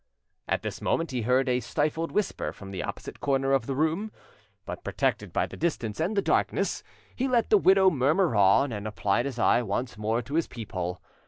At this moment he heard a stifled whisper from the opposite corner of the room, but, protected by the distance and the darkness, he let the widow murmur on, and applied his eye once more to his peephole.